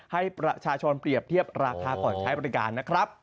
ให้ประชาชนเปรียบเทียบราคาก่อนใช้บริการนะครับ